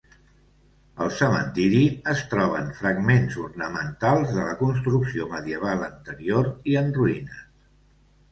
Al cementiri, es troben fragments ornamentats de la construcció medieval anterior i en ruïnes.